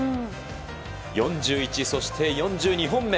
４１、そして４２本目。